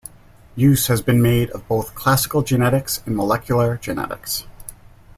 Use has been made of both classical genetics and molecular genetics.